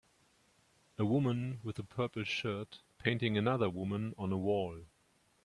A woman with a purple shirt painting another woman on a wall